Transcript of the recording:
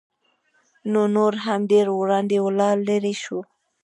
نو نور هم ډېر وړاندې ولاړ لېرې شو.